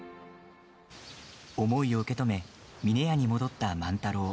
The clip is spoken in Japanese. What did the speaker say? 思いを受け止め峰屋に戻った万太郎。